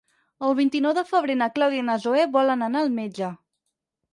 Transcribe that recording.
El vint-i-nou de febrer na Clàudia i na Zoè volen anar al metge.